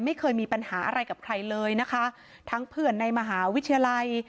ไม่เคยมีปัญหาอะไรกับใครเลยนะคะทั้งเพื่อนในมหาวิทยาลัย